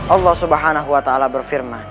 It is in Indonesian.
allah subhanahu wa ta'ala berfirman